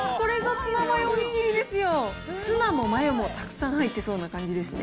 ツナもマヨもたくさん入ってそうな感じですね。